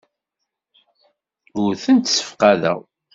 Ur tent-ssefqadeɣ.